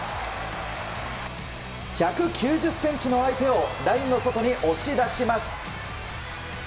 １９０ｃｍの相手をラインの外に押し出します。